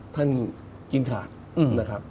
ท่านกินขักนะครับ